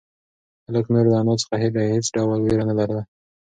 هلک نور له انا څخه هېڅ ډول وېره نهلري.